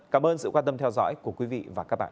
cảm ơn sự quan tâm theo dõi của quý vị và các bạn